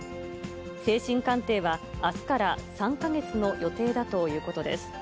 精神鑑定はあすから３か月の予定だということです。